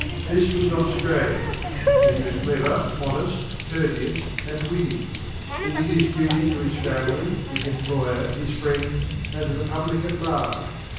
This was not strange. For he was clever, honest, courteous, and witty. He did his duty to his family, his employer, his friends, and to the public at large.